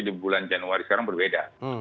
di bulan januari sekarang berbeda